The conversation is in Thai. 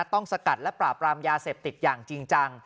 สกัดและปราบรามยาเสพติดอย่างจริงจัง